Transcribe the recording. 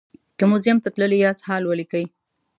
که موزیم ته تللي یاست حال ولیکئ.